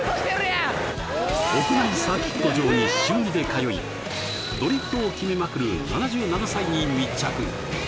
屋内サーキット場に週２で通いドリフトを決めまくる７７歳に密着！